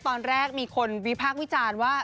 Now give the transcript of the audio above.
ตอนแรกมีคนวิพากษ์วิจารณ์ว่า